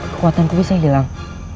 kekuatanku bisa hilang